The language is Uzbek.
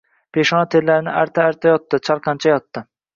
Peshona terlarini arta-arta yotdi. Chalqancha yotdi.